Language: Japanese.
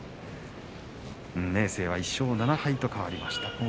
明生は１勝７敗と変わりました。